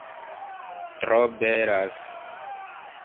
Tro belas